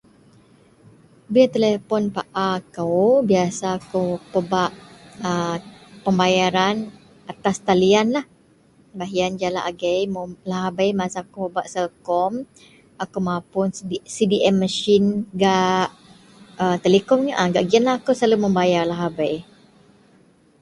Bil telepon paa kou biyasa kou pebak a pembayaran atas taliyanlah beh iyen jalak agei masa akou pebak celcom akou mapuon cabm mesin gak telecom gak giyen lah akou selalu mebayar lahabei.